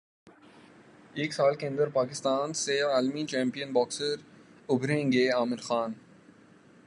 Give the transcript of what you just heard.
ایک سال کے اندر پاکستان سے عالمی چیمپئن باکسرز ابھریں گے عامر خان